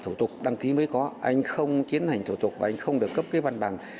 thủ tục đăng ký mới có anh không tiến hành thủ tục và anh không được cấp cái văn bằng